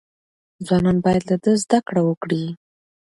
ځوانان باید له ده زده کړه وکړي.